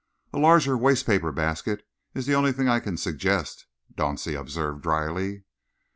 "A larger waste paper basket is the only thing I can suggest," Dauncey observed drily.